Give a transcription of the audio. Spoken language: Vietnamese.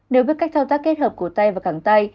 nếu biết cách thao tác kết hợp của tay và cẳng tay